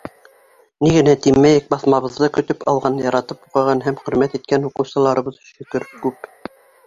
Ни генә тимәйек, баҫмабыҙҙы көтөп алған, яратып уҡыған һәм хөрмәт иткән уҡыусыларыбыҙ, шөкөр, күп.